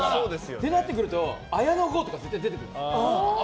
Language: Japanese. ってなってくると綾野剛とか絶対出てくる。